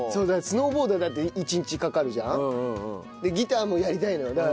スノーボードはだって１日かかるじゃん？でギターもやりたいのよ。